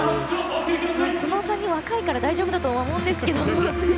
この３人、若いから大丈夫だと思うんですけども。